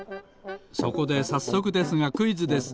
そこでさっそくですがクイズです。